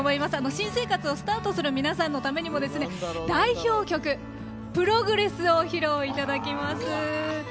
新生活をスタートする皆さんのためにも代表曲「Ｐｒｏｇｒｅｓｓ」を披露いただきます。